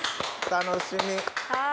楽しみ。